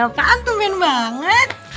ada apaan tuh min banget